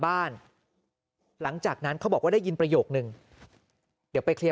บ้านหลังจากนั้นเขาบอกว่าได้ยินประโยคนึงเดี๋ยวไปเคลียร์